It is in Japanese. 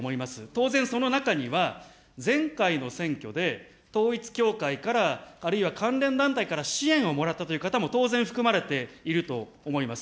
当然、その中には、前回の選挙で統一教会から、あるいは関連団体から支援をもらったという方も当然含まれていると思います。